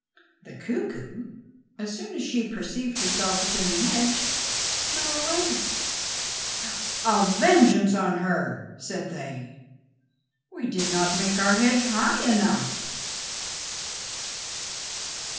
The cuckoo, as soon as she perceived herself within the hedge, flew away. "A vengeance on her!" said they. "We did not make our hedge high enough."